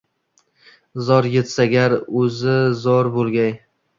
Zor etsa gar, oʻzi zor boʻlgay.